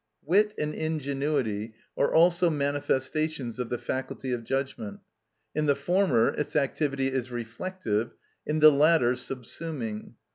Wit and ingenuity are also manifestations of the faculty of judgment; in the former its activity is reflective, in the latter subsuming.